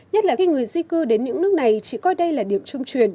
nhất là khi người di cư đến những nước này chỉ coi đây là điểm trung truyền